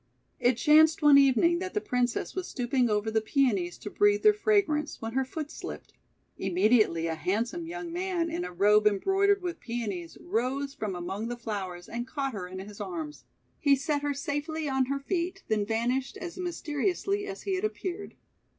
It chanced one evening that the Princess was stooping over the Peonies to breathe their fra grance, when her foot slipped. Immediately a handsome young man, in a robe embroidered with Peonies, rose from among the flowers and caught her in his arms. He set her safely on her feet, then vanished as mysteriously as he had appeared.